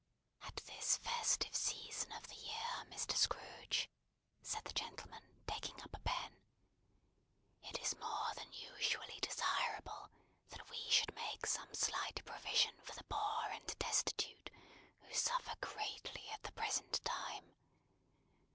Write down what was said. "At this festive season of the year, Mr. Scrooge," said the gentleman, taking up a pen, "it is more than usually desirable that we should make some slight provision for the Poor and destitute, who suffer greatly at the present time.